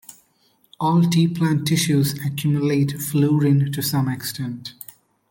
All tea plant tissues accumulate fluorine to some extent.